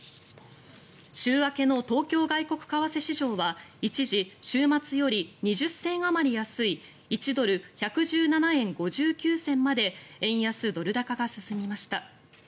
週明けの東京外国為替市場は一時、週末より２０銭あまり安い１ドル＝１１７円５９銭まで円安ドル高が進みました。